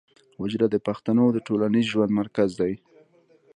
حجره د پښتنو د ټولنیز ژوند مرکز دی.